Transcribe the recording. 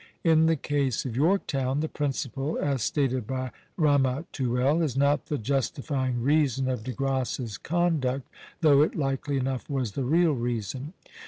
In the case of Yorktown, the principle as stated by Ramatuelle is not the justifying reason of De Grasse's conduct, though it likely enough was the real reason.